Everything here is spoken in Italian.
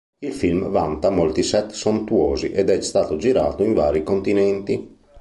Il film vanta molti set sontuosi ed è stato girato in vari continenti.